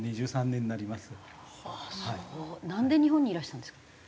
なんで日本にいらしたんですか？